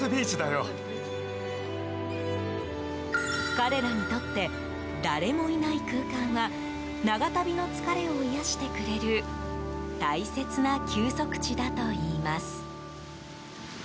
彼らにとって誰もいない空間は長旅の疲れを癒やしてくれる大切な休息地だといいます。